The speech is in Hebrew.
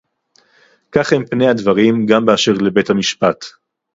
כך הם פני הדברים גם באשר לבתי-המשפט